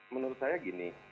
menurut saya gini